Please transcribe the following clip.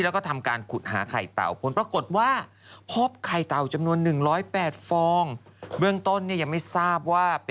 แล้วก็ทำการขุดหาไข่เตา